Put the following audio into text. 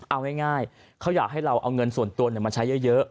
เอาง่ายเขาอยากให้เราเอาเงินส่วนตัวมาใช้เยอะ